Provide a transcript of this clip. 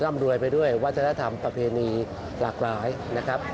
ร่ำรวยไปด้วยวัฒนธรรมประเพณีหลากหลายนะครับ